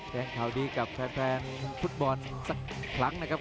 ข่าวดีกับแฟนฟุตบอลสักครั้งนะครับ